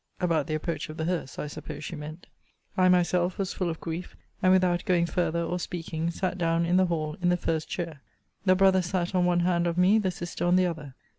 About the approach of the hearse, I suppose she meant. I myself was full of grief; and, without going farther or speaking, sat down in the hall in the first chair. The brother sat on one hand of me, the sister on the other.